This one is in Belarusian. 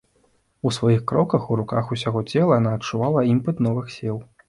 У сваіх кроках, у рухах усяго цела яна адчувала імпэт новых сіл.